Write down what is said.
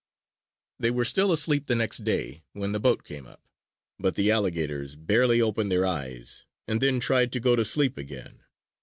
_ They were still asleep, the next day, when the boat came up; but the alligators barely opened their eyes and then tried to go to sleep again.